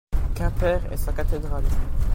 Quimper et sa cathédrale.